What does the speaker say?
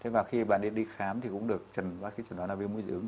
và khi bạn đi khám thì cũng được bác sĩ chẩn đoán là viêm mũi dị ứng